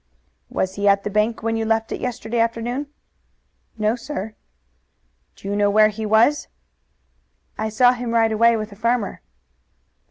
"Was he at the bank when you left it yesterday afternoon?" "No, sir." "Do you know where he was?" "I saw him ride away with a farmer."